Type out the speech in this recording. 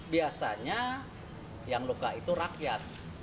biasanya yang luka itu rakyat